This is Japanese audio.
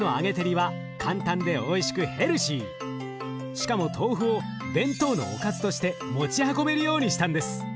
しかも豆腐を弁当のおかずとして持ち運べるようにしたんです。